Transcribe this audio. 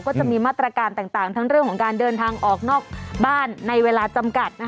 ก็จะมีมาตรการต่างทั้งเรื่องของการเดินทางออกนอกบ้านในเวลาจำกัด